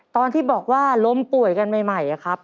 ตอนที่บอกว่าล้มป่วยกันใหม่ครับ